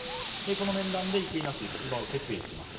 この面談で生稲氏は出馬を決意します。